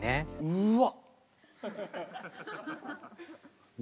うわ！